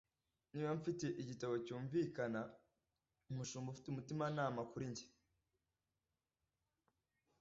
niba mfite igitabo cyunvikana, umushumba ufite umutimanama kuri njye